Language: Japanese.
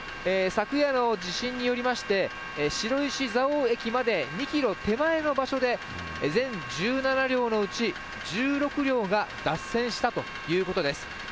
昨夜の地震によりまして、白石蔵王駅まで２キロ手前の場所で、全１７両のうち１６両が脱線したということです。